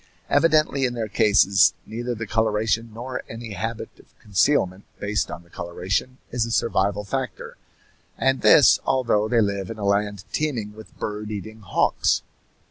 Evidently in their cases neither the coloration nor any habit of concealment based on the coloration is a survival factor, and this although they live in a land teeming with bird eating hawks.